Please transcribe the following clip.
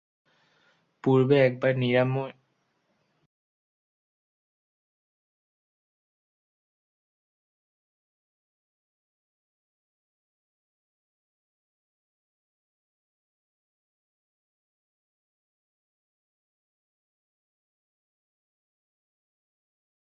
সুতরাং একথা মেনে নিতে হবে যে, সময়ের দিক থেকে সত্তা অসীম বা অনন্ত।